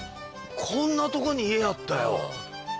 こんなとこに家あったよ。